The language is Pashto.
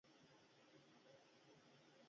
په لوېدیځ کې متمرکز حکومتونه موجود و.